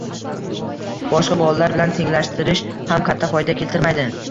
Boshqa bolalar bilan tenglashtirish ham katta foyda keltirmaydi